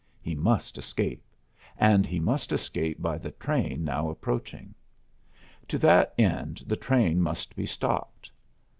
He must escape, and he must escape by the train now approaching. To that end the train must be stopped.